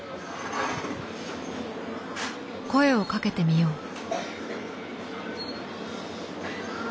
声をかけてみよう。